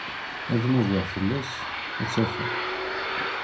Ad nadiɣ fell-as, ad tt-afeɣ.